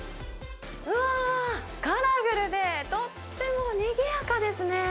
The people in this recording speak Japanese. うわー、カラフルでとってもにぎやかですね。